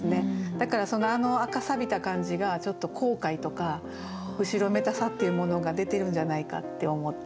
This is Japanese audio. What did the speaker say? だからあの赤びた感じがちょっと後悔とか後ろめたさっていうものが出てるんじゃないかって思って。